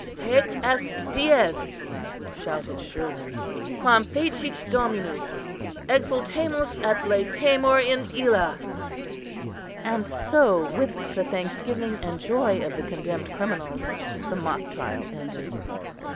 _" "Haec est dies," shouted Sherwin, "quam fecit Dominus; exultemus et laetemur in illâ": and so with the thanksgiving and joy of the condemned criminals, the mock trial ended.